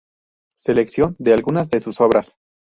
Selección de algunas de sus obras